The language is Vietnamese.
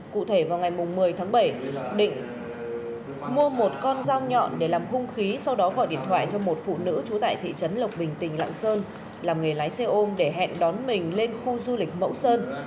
cụ thể vào ngày một mươi tháng bảy định mua một con dao nhọn để làm hung khí sau đó gọi điện thoại cho một phụ nữ trú tại thị trấn lộc bình tỉnh lạng sơn làm nghề lái xe ôm để hẹn đón mình lên khu du lịch mẫu sơn